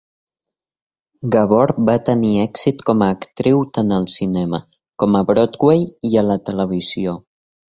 Gabor va tenir èxit com a actriu tant al cinema, com a Broadway i a la televisió.